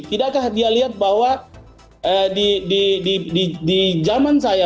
tidakkah dia lihat bahwa di zaman saya